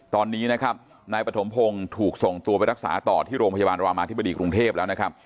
ตอนนี้นะครับนายปฐมพงศ์ถูกส่งตัวไปรักษาต่อที่โรงพยาบาลรามาธิบดีกรุงเทพแล้วนะครับ